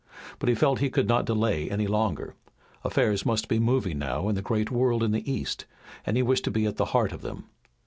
But he felt that he could not delay any longer. Affairs must be moving now in the great world in the east, and he wished to be at the heart of them.